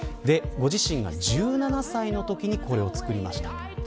ご自身が１７歳のときにこれを作りました。